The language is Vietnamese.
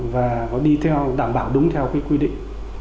và có đi theo đảm bảo đúng theo cái quy định